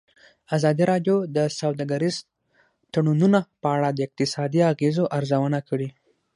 ازادي راډیو د سوداګریز تړونونه په اړه د اقتصادي اغېزو ارزونه کړې.